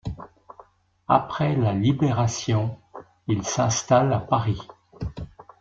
Après la Libération, il s'installe à Paris.